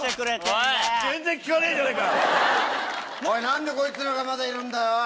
何でこいつらがまだいるんだよ。